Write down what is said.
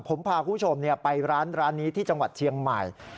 ผมพาคุณผู้ชมไปร้านนี้ที่จังหวัดเชียงใหม่